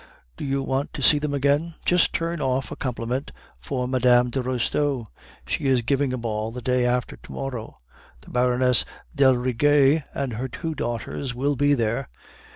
Do you want to see them again? Just turn off a compliment for Mme. de Restaud; she is giving a ball the day after to morrow; the Baroness d'Aldrigger and her two daughters will be there.